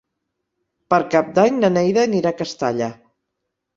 Per Cap d'Any na Neida anirà a Castalla.